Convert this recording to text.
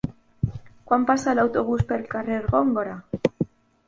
Quan passa l'autobús pel carrer Góngora?